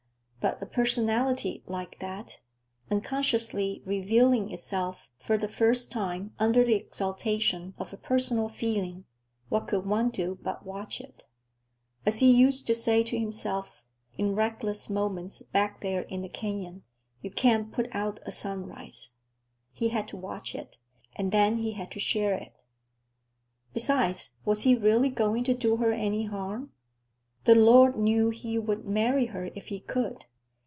But a personality like that, unconsciously revealing itself for the first time under the exaltation of a personal feeling,—what could one do but watch it? As he used to say to himself, in reckless moments back there in the canyon, "You can't put out a sunrise." He had to watch it, and then he had to share it. Besides, was he really going to do her any harm? The Lord knew he would marry her if he could!